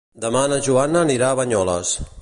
Demà na Joana anirà a Banyoles.